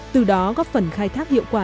từ đó góp phần khai thác hiệu quả